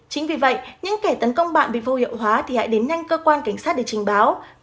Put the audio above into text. chính vì vậy những kẻ tấn công bạn bị vô hiệu hóa thì hãy đến nhanh cơ quan cảnh sát để trình báo